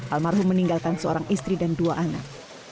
al marhum meninggalkan seorang istri dan dua anak